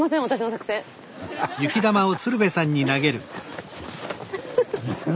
フフフ！